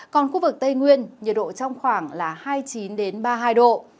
còn khu vực tây nguyên nhiệt độ trong khoảng là hai mươi chín ba mươi hai độ